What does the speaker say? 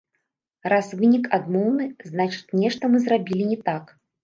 Раз вынік адмоўны, значыць, нешта мы зрабілі не так.